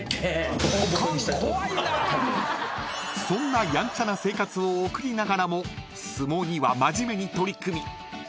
［そんなやんちゃな生活を送りながらも相撲には真面目に取り組み